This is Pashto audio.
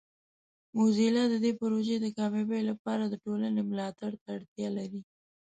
موزیلا د دې پروژې د کامیابۍ لپاره د ټولنې ملاتړ ته اړتیا لري.